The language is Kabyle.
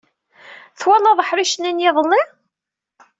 Twalaḍ aḥric-nni n yiḍelli?